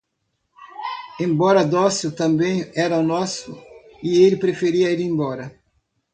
Embora dócil, também era nosso e ele preferia ir embora.